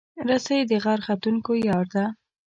رسۍ د غر ختونکو یار ده.